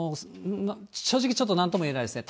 正直、ちょっとなんとも言えないですね。